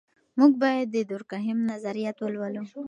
موږ باید د دورکهایم نظریات ولولو.